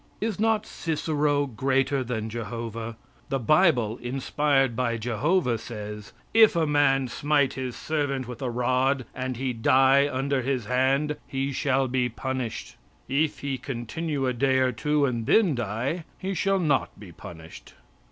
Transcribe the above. Is not Cicero greater than Jehovah? The bible, inspired by Jehovah, says: "If a man smite his servant with a rod and he die under his hand he shall be punished. It he continue a day or two and then die, he shall not be punished."